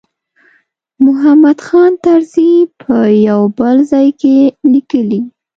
محمود خان طرزي په یو بل ځای کې لیکلي.